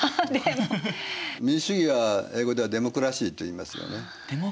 民主主義は英語では「デモクラシー」といいますよね。